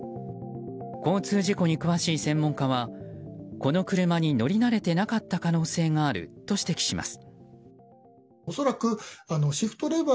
交通事故に詳しい専門家はこの車に乗り慣れていなかった可能性があると指摘します。